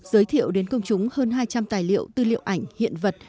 giới thiệu đến công chúng hơn hai trăm linh tài liệu tư liệu ảnh hiện vật